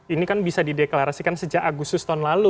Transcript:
ini kan bisa dideklarasikan sejak agustus tahun lalu